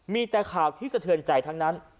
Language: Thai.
มีแต่ข่าวที่สะเทือนใจทั้งนั้น